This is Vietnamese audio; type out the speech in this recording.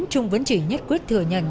trung vẫn chỉ nhất quyết thừa nhận